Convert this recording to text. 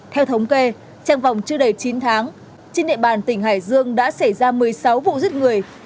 theo thống kê trong vòng chưa đầy chín tháng trên địa bàn tỉnh hải dương đã xảy ra một mươi sáu vụ giết người